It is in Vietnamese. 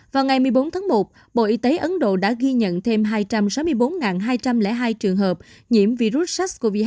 vào ngày một mươi bốn tháng một bộ y tế ấn độ đã ghi nhận thêm hai trăm sáu mươi bốn hai trăm linh hai trường hợp nhiễm virus sars cov hai